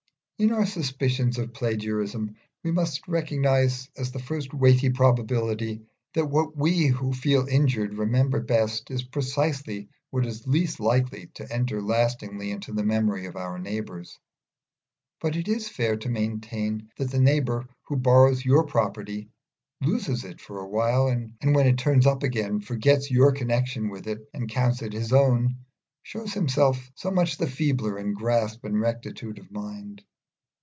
In our suspicions of plagiarism we must recognise as the first weighty probability, that what we who feel injured remember best is precisely what is least likely to enter lastingly into the memory of our neighbours. But it is fair to maintain that the neighbour who borrows your property, loses it for a while, and when it turns up again forgets your connection with it and counts it his own, shows himself so much the feebler in grasp and rectitude of mind.